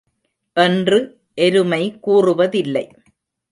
என்று எருமை கூறுவதில்லை.